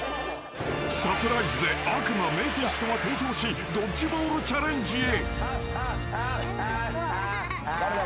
［サプライズで悪魔メフィストが登場しドッジボールチャレンジへ］